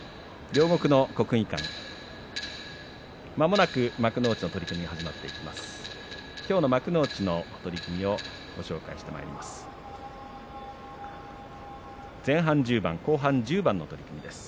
両国の国技館まもなく幕内の取組が始まっていきます。